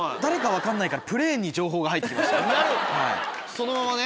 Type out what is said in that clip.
そのままね。